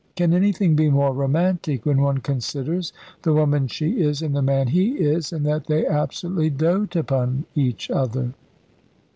Can anything be more romantic, when one considers the woman she is and the man he is, and that they absolutely dote upon each other?"